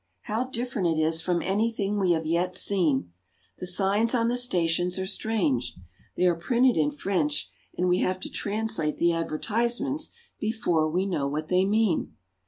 How different it is from anything we have yet seen ! The signs on the stations are strange. They are printed in French, and we have to translate the advertisements before we know what they mean.